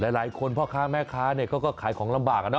หลายคนพ่อค้าแม่ค้าก็ขายของลำบาก